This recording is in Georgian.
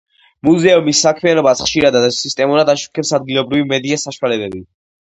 მუზეუმის საქმიანობას ხშირად და სისტემატურად აშუქებს ადგილობრივი მედია საშუალებები.